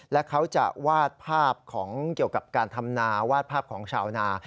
และเขาจะวาดภาพของเกี่ยวกับการทำนาวาดภาพของชาวนา